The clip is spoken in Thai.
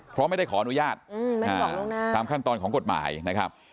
เพราะไม่ได้ขออนุญาตตามขั้นตอนของกฎหมายนะครับ